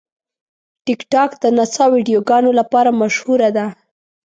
ټیکټاک د نڅا ویډیوګانو لپاره مشهوره ده.